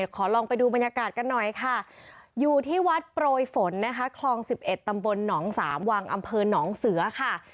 ขอลองไปดูบรรยากาศกันหน่อยค่ะอยู่ที่วัดโปรยฝนนะคะคลอง๑๑ตำบลหนองสามวังอำเภอหนองเสือค่ะ